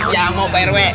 ya mau pak rw